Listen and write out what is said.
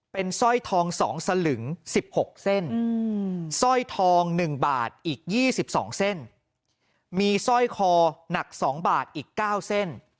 เป็นสร้อยทอง๒สลึง๑๖เส้นสร้อยทอง๑บาทอีก๒๒เส้นมีสร้อยคอหนัก๒บาทอีก๙เส้น